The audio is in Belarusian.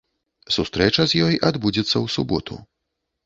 Сустрэча з ёй адбудзецца ў суботу.